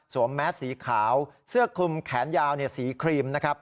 แมสสีขาวเสื้อคลุมแขนยาวสีครีมนะครับ